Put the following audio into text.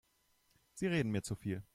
Sie reden mir zu viel.